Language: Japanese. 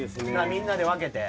みんなで分けて？